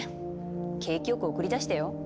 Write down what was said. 景気良く送り出してよ？